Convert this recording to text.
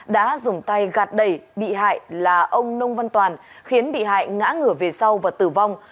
đã dùng tay gạt đẩy bị hại là ông nông văn toàn khiến bị hại ngã ngửa về sau và tử vong